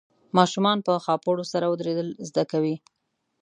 ماشومان په خاپوړو سره ودرېدل زده کوي.